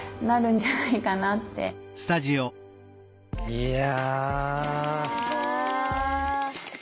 いや。